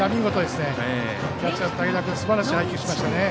すばらしい配球をしましたね。